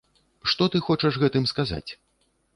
Што ты хочаш гэтым сказаць?